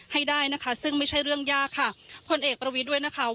ให้ได้นะคะซึ่งไม่ใช่เรื่องยากค่ะพลเอกประวิทย์ด้วยนะคะ